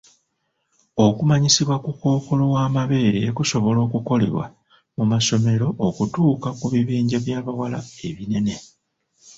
Okumanyisibwa ku kkookola w'amabeere kusobola okukolebwa mu masomero okutuuka ku bibinja by'abawala ebinene.